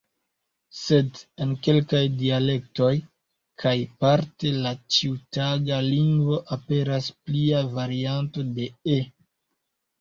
Sed en kelkaj dialektoj kaj parte la ĉiutaga lingvo aperas plia varianto de "e".